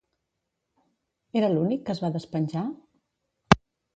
Era l'únic que es va despenjar?